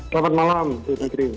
selamat malam di negeri